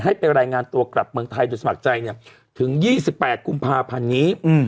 ให้ไปรายงานตัวกลับเมืองไทยโดยสมัครใจเนี้ยถึงยี่สิบแปดกุมภาพันธ์นี้อืม